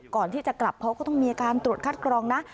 ก่อนที่จะกลับเขาก็ต้องมีการตรวจคัดกรองนะ